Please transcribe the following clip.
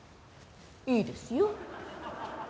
いいですよ。